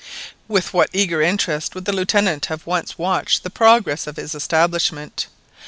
With what eager interest would the Lieutenant have once watched the progress of his establishment!